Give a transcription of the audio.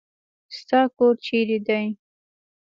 ستا کور چیرې دی؟